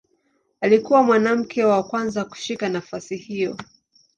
Alikuwa mwanamke wa kwanza kushika nafasi hiyo.